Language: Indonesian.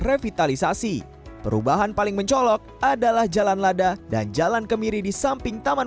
revitalisasi perubahan paling mencolok adalah jalan lada dan jalan kemiri di samping taman